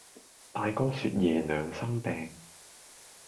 大哥説爺娘生病，